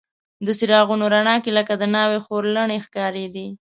د څراغونو رڼا کې لکه د ناوې خورلڼې ښکارېدې.